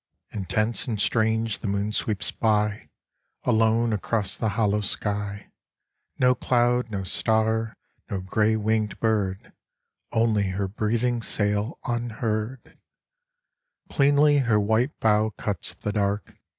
Intense and strange the moon sweeps by Alone across the hollow sky. No cloud, no star, no gray winged bird, Only her breathing sail unheard I Cleanly her white bow cuts the dark.